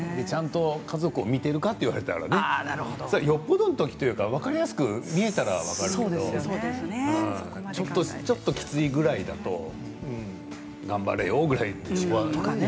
家族を見ているかと言われたらよっぽどの時というか分かりやすく見えたら分かるけどちょっときついくらいだとうん、頑張れよくらいなね。